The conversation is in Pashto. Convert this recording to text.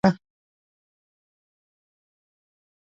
یو ځای مو د عرب کلا پوښتنه وکړه.